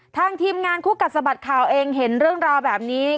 ทางทีมงานคู่กัดสะบัดข่าวเองเห็นเรื่องราวแบบนี้